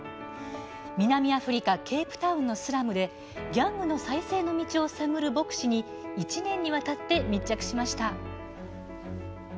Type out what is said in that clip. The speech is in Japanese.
南アフリカ・ケープタウンのスラムでギャングの再生の道を探る牧師に１年にわたって密着しました。